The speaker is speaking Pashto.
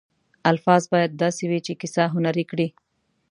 الفاظ باید داسې وي چې کیسه هنري کړي.